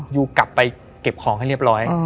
ยูกลับไปเก็บของให้เรียบร้อย